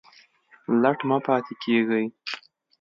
لټ مه پاته کیږئ